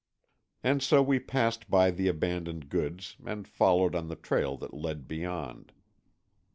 And so we passed by the abandoned goods and followed on the trail that led beyond.